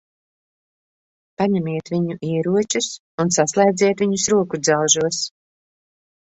Paņemiet viņu ieročus un saslēdziet viņus rokudzelžos.